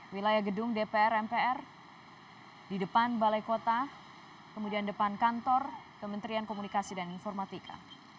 wilayah gedung dpr mpr di depan balai kota kemudian depan kantor kementerian komunikasi dan informatika